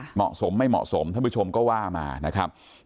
เหมาะสมไม่เหมาะสมท่านผู้ชมก็ว่ามานะครับ